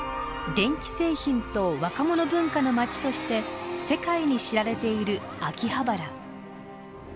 電気製品と若者文化の街として世界に知られている秋葉原。